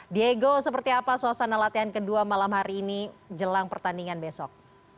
diego seperti apa suasana latihan kedua malam hari ini jelang pertandingan besok